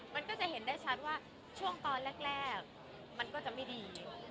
มันก็จะเห็นได้ชัดว่าช่วงตอนแรกมันก็จะไม่ดี